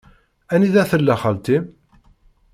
Anida tella xalti-m?